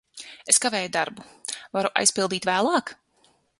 Es kavēju darbu. Varu aizpildīt vēlāk?